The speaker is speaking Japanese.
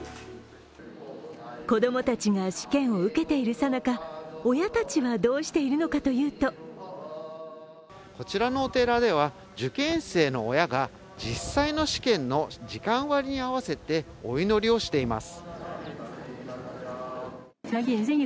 子供たちが試験を受けている最中、親たちはどうしているのかというとこちらのお寺では受験生の親が実際の試験の時間割りに合わせてお祈りをしています。